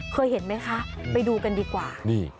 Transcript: เคยเห็นไหมคะไปดูกันดีกว่า